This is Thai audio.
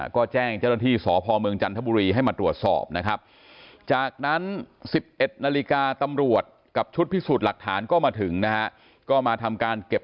ก็แจ้งเจ้าหน้าที่สภเมืองจันทบุรีให้มาตรวจสอบนะครับ